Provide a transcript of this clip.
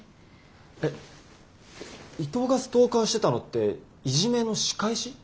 え伊藤がストーカーしてたのってイジメの仕返し？